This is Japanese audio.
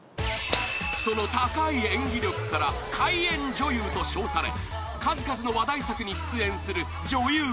［その高い演技力から怪演女優と称され数々の話題作に出演する］